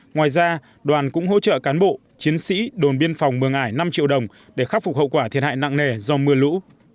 ngoài ra đoàn cũng hỗ trợ cán bộ chiến sĩ đồn biên phòng mường ải năm triệu đồng để khắc phục hậu quả thiệt hại nặng nề do mưa lũ